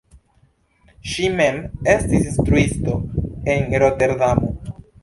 Ŝi mem estis instruisto en Roterdamo.